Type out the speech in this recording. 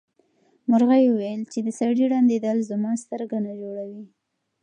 مرغۍ وویل چې د سړي ړندېدل زما سترګه نه جوړوي.